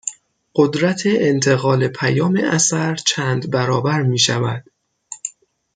قدرت انتقال پیام اثر چند برابر می شود